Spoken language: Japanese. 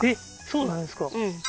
そうなんですか？